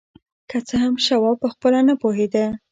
که څه هم شواب پخپله نه پوهېده.